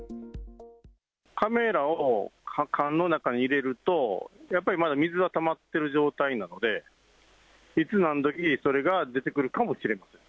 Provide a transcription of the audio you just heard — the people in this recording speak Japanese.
カメラを管の中に入れると、やっぱりまだ水がたまってる状態なので、いつ何時それが出てくるかもしれません。